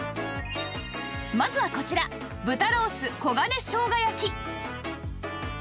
まずはこちら豚ロース黄金生姜焼き